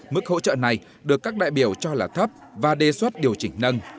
mức hỗ trợ này được các đại biểu cho là thấp và đề xuất điều chỉnh nâng